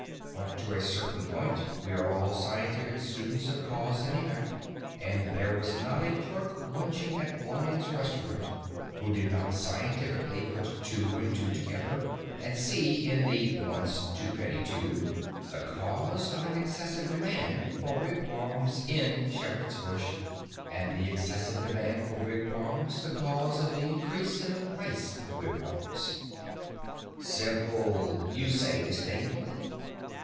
But to a certain point we are all scientific students of cause and effect, and there was not a clerk lunching at a Lyons Restaurant who did not scientifically put two and two together and see in the (once) Two penny Tube the cause of an excessive demand for wigwams in Shepherd's Bush, and in the excessive demand for wigwams the cause of the increase in the price of wigwams. "Simple!" you say, disdainfully.